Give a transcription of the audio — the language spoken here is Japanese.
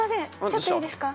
ちょっといいですか？